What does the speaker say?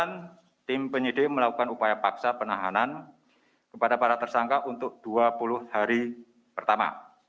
untuk keperluan proses penyidikan tim penyidik melakukan upaya paksa penahanan kepada para tersangka untuk dua puluh hari pertama